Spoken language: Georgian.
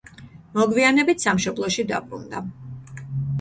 მოგვიანებით სამშობლოში დაბრუნდა.